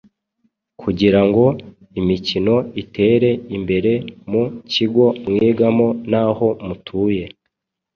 kugira ngo imikino itere imbere mu kigo mwigamo n’aho mutuye.